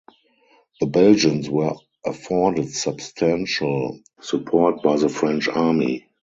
The Belgians were afforded substantial support by the French Army.